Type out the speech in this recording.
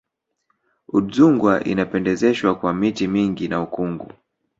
udzungwa inapendezeshwa kwa miti mingi na ukungu